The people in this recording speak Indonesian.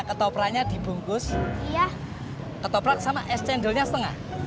ketopraknya dibungkus ketoprak sama es cendernya setengah